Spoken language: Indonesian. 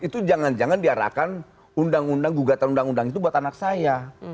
itu jangan jangan diarahkan undang undang gugatan undang undang itu buat anak saya